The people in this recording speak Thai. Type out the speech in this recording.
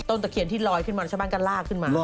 ตะเคียนที่ลอยขึ้นมาชาวบ้านก็ลากขึ้นมา